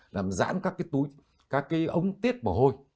làm giãn các cái túi các cái ống tiết bỏ hôi